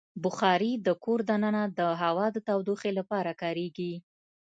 بخاري د کور دننه د هوا د تودوخې لپاره کارېږي.